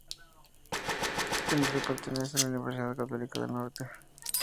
Éste museo pertenece a la Universidad Católica del Norte.